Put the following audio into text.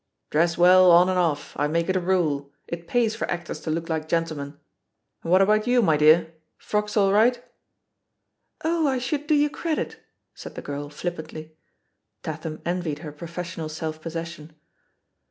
*Dress well, on and off,' I make it a rule ; it pays for actors to look like gentlemen. And what about you, my dear — ^frocks all right?" "Oh, I should do you credit!" said the girl flippantly. Tatham envied her professional self possession.